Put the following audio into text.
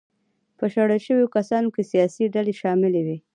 په شړل شویو کسانو کې سیاسي ډلې شاملې وې.